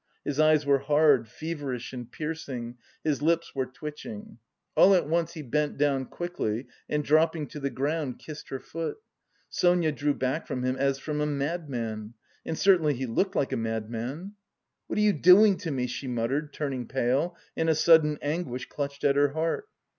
His eyes were hard, feverish and piercing, his lips were twitching. All at once he bent down quickly and dropping to the ground, kissed her foot. Sonia drew back from him as from a madman. And certainly he looked like a madman. "What are you doing to me?" she muttered, turning pale, and a sudden anguish clutched at her heart.